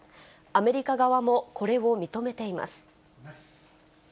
アメリカ側もこれを認めています。